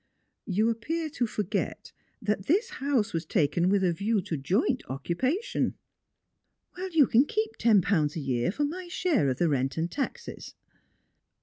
" You appear to forget that this house was taken with a view to joint occupation." " You cau keep ten pounds a year for my share of the rent and taxes."